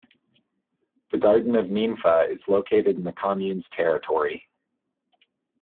The Garden of Ninfa is located in the commune's territory.